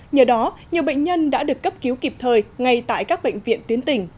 nhờ đó nhiều bệnh nhân đã được cấp cứu kịp thời ngay tại các bệnh viện tuyến tỉnh